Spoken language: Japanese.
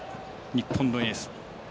日本のエース。